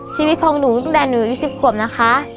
ชีวิตของหนูตั้งแต่หนูอายุ๑๐ขวบนะคะ